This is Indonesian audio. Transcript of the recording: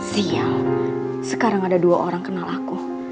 siang sekarang ada dua orang kenal aku